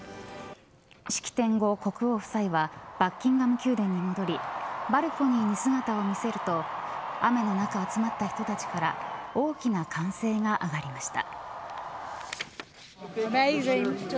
式典後、国王夫妻がバッキンガム宮殿に戻りバルコニーに姿を見せると雨の中集まった人たちから大きな歓声が上がりました。